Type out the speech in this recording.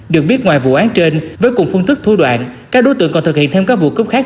được biết ngoài vụ án trên với cùng phương thức thua đoạn các đối tượng còn thực hiện thêm các vụ cướp khác